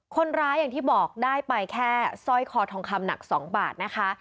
อย่างที่บอกได้ไปแค่สร้อยคอทองคำหนัก๒บาทนะคะ